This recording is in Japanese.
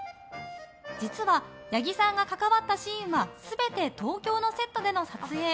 実は八木さんが関わったシーンは全て東京のセットでの撮影。